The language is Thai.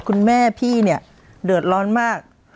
คุณแม่พี่เนี่ยเดือดร้อนมาก